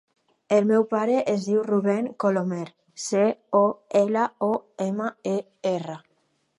El meu pare es diu Rubèn Colomer: ce, o, ela, o, ema, e, erra.